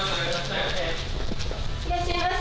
いらっしゃいませ。